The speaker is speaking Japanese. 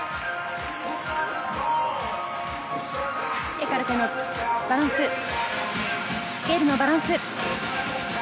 エカルテのバランス、スケールのバランス。